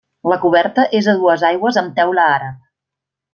La coberta és a dues aigües amb teula àrab.